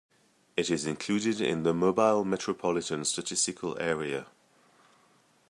It is included in the Mobile metropolitan statistical area.